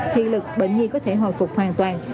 hiệu lực bệnh nhi có thể hồi phục hoàn toàn